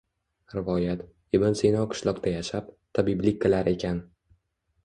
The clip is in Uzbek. Rivoyat: Ibn Sino qishloqda yashab, tabiblik qilar ekan